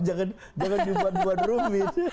jangan buat rumit